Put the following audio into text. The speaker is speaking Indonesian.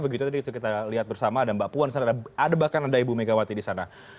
begitu tadi itu kita lihat bersama ada mbak puan ada bahkan ada ibu megawati di sana